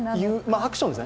アクションですね。